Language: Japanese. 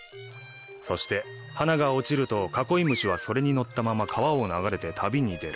そして花が落ちるとカコイムシはそれにのったまま川を流れて旅に出る。